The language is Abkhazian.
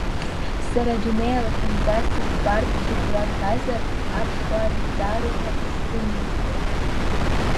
Сара адунеи алахьынҵа сыӡбартә сыгәра ргазар, аԥсуаа рызҵаарома исзымыӡбо!